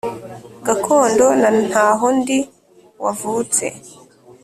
Kagondo na Ntahondi wavutse